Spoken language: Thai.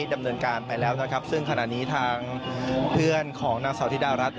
ดำเนินการไปแล้วสิ่งขณะนี้ทางเพื่อนของนางสาวธิดาลักษณ์